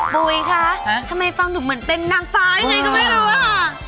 ปุ๋ยคะทำไมฟังหนุ่มเหมือนเป็นนางฟ้ายังไงก็ไม่รู้อ่ะ